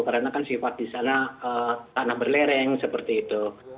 karena kan sifat di sana tanah berlereng seperti itu